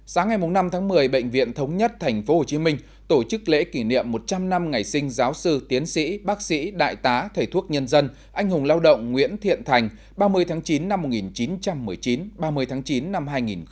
sáng ngày năm tháng một mươi bệnh viện thống nhất tp hcm tổ chức lễ kỷ niệm một trăm linh năm ngày sinh giáo sư tiến sĩ bác sĩ đại tá thầy thuốc nhân dân anh hùng lao động nguyễn thiện thành ba mươi tháng chín năm một nghìn chín trăm một mươi chín ba mươi tháng chín năm hai nghìn một mươi chín